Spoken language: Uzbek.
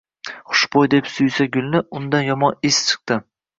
Xushbo‘y deb suysa gulni, undan yomon is chiqdi